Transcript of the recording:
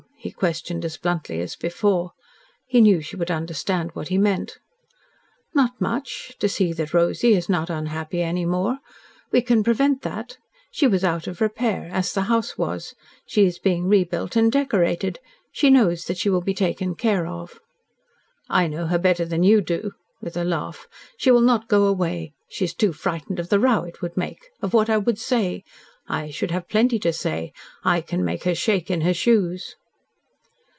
he questioned as bluntly as before. He knew she would understand what he meant. "Not much. To see that Rosy is not unhappy any more. We can prevent that. She was out of repair as the house was. She is being rebuilt and decorated. She knows that she will be taken care of." "I know her better than you do," with a laugh. "She will not go away. She is too frightened of the row it would make of what I should say. I should have plenty to say. I can make her shake in her shoes."